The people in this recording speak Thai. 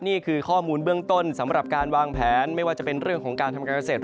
นี่คือข้อมูลเบื้องต้นสำหรับการวางแผนไม่ว่าจะเป็นเรื่องของการทำการเกษตร